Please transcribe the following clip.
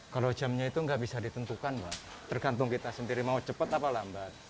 kalau jamnya itu nggak bisa ditentukan tergantung kita sendiri mau cepat apa lambat